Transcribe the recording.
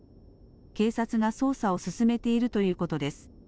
警察が捜査を進めているということです。